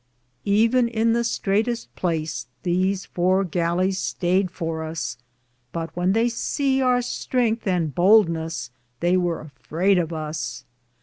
Even in the straighteste place these four gallis stayed for us, but when they se our strengthe and bouldnes, they weare afrayed of us.